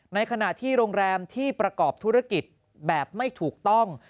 ในขณะที่โรงแรมที่ประกอบธุรกิจแบบไม่ถูกต้อง